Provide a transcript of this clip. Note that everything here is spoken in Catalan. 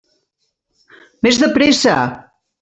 Més de pressa!